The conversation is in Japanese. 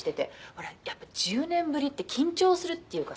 「ほらやっぱ１０年ぶりって緊張するっていうかさ」